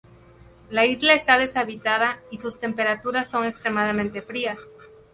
La isla está deshabitada y sus temperaturas son extremadamente frías.